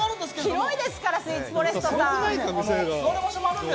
広いですからスイーツフォレストさん。